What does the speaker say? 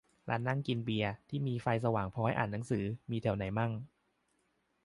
ร้านนั่งกินเบียร์ ที่มีไฟสว่างพอให้อ่านหนังสือ มีแถวไหนมั่ง